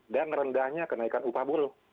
dan rendahnya kenaikan upah buruh